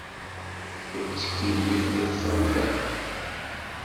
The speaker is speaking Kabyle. Ur ttkeyyif deg texxamt-a.